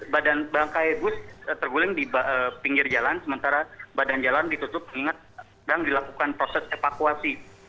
badan bangkai bus terguling di pinggir jalan sementara badan jalan ditutup mengingat sedang dilakukan proses evakuasi